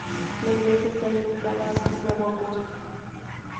La iglesia está dedicada a Santiago Apóstol.